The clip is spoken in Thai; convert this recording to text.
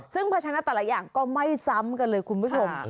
ซึ่งพัชนะแต่ละอย่างก็ไม่ซ้ำกันเลยคุณผู้ชม